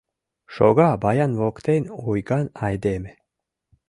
Шога баян воктен ойган айдеме